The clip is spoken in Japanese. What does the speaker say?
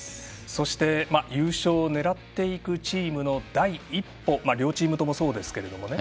そして優勝を狙っていくチームの第一歩、両チームともそうですけれどもね。